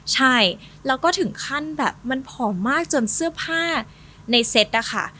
ใช่แล้วก็ถึงขั้นแบบมันผอมมากจนเสื้อผ้าในเซตนะคะ